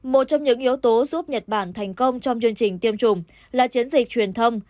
một trong những yếu tố giúp nhật bản thành công trong chương trình tiêm chủng là chiến dịch truyền thông